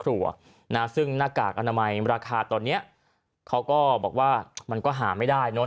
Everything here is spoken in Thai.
ก็จะถึง๗๐๐๘๐๐ใช้ครั้งเดียวก็ต้องทิ้ง